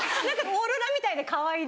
オーロラみたいでかわいい？